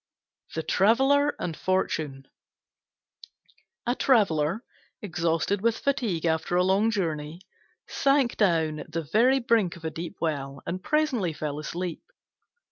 THE TRAVELLER AND FORTUNE A Traveller, exhausted with fatigue after a long journey, sank down at the very brink of a deep well and presently fell asleep.